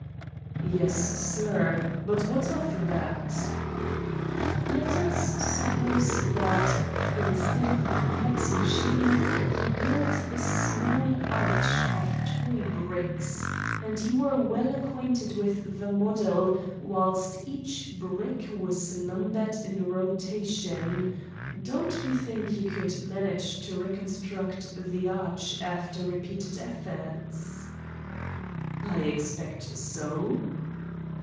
"Yes, sir; but what of that?" "Let us suppose that, instead of a complex machine he built a small arch of toy bricks, and you were well acquainted with the model whilst each brick was numbered in rotation, don't you think you could manage to reconstruct the arch after repeated efforts?" "I expect so."